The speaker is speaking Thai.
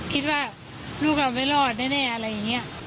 คิดว่าลูกเราไม่รอดแน่อะไรอย่างนี้